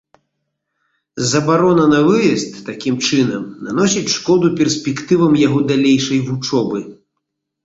Забарона на выезд, такім чынам, наносіць шкоду перспектывам яго далейшай вучобы.